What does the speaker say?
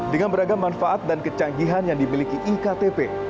dengan beragam manfaat dan kecanggihan yang dimiliki iktp